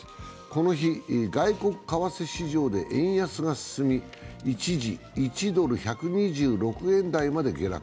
この日、外国為替市場で円安が進み一時、１ドル＝１２６円台まで下落。